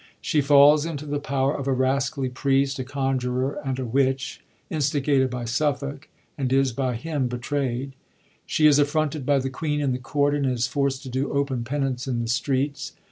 She falls into the power of a rascally priest, a conjurer and a witch, instigated by Suffolk, and is by him betrayd. She is af&onted by the queen in the Court, and is forced to do open penance in the streets.